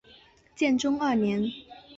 建中二年。